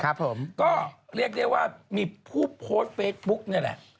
ผมก็เรียกได้ว่ามีผู้โพสต์เฟซบุ๊กนี่แหละ